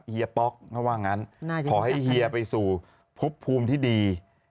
เฮีป๊อกเขาว่างั้นขอให้เฮียไปสู่พบภูมิที่ดี